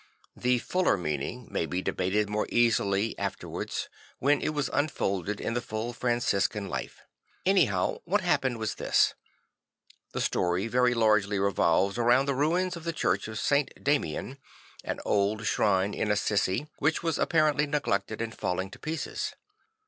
The fuller meaning may be debated more easily afterwards, when it was unfolded in the full Franciscan life. Anyhow what happened was this. The story very largely revolves round the ruins of the Church of St. Damian, an old shrine in Assisi which was appar ently neglected and falling to pieces.